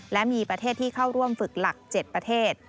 และมีประเทศที่เข้าร่วมฝึกหลัก๗ประเทศ